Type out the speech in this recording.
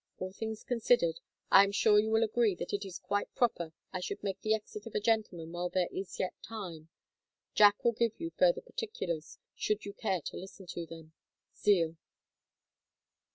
All things considered, I am sure you will agree that it is quite proper I should make the exit of a gentleman while there is yet time. Jack will give you further particulars, should you care to listen to them. ZEAL."